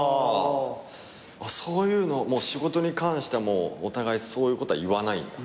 そういうの仕事に関してはお互いそういうことは言わないんだ。